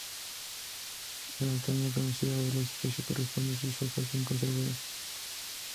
La anatomía conocida de la especie corresponde a sus hojas, bien conservadas.